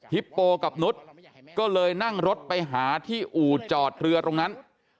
โปกับนุษย์ก็เลยนั่งรถไปหาที่อู่จอดเรือตรงนั้น